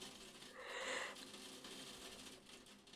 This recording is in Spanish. Sin embargo, los líderes del monasterio se oponen a esto.